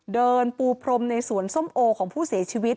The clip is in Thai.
เดินปูพรมในสวนส้มโอของผู้เสียชีวิต